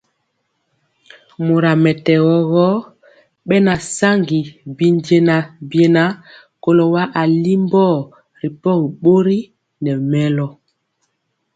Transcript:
Mora mɛtɛgɔ gɔ, bɛna saŋgi bijɛna biena kɔlo wa alimbɔ ripɔgi bori nɛ mɛlɔ.